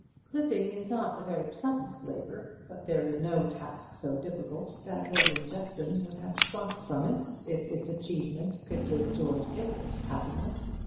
Clipping is not a very pleasant labour: but there is no task so difficult that William Jeffson would have shrunk from it, if its achievement could give George Gilbert happiness.